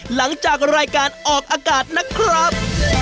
หลังจากรายการออกอากาศนะครับ